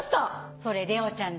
それ玲緒ちゃんだ。